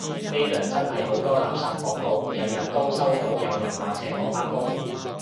呢輪真係好多垃圾廣告，日日都收到有人話請我返工